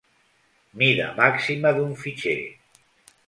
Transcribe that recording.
Mida màxima d'un fitxer.